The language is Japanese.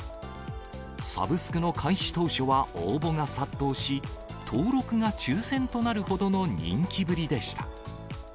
サブスクの開始当初は応募が殺到し、登録が抽せんとなるほどの人気ぶりでした。